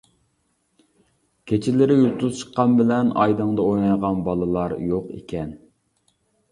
كېچىلىرى يۇلتۇز چىققان بىلەن، ئايدىڭدا ئوينايدىغان بالىلار يوق ئىكەن.